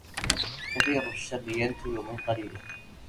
كثير الشر ينتج من قليله